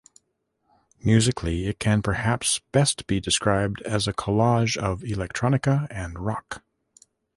Musically, it can perhaps best be described as a collage of electronica and rock.